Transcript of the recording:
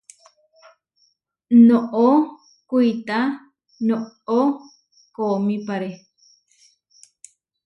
Noʼó kuitá noʼó koomípare.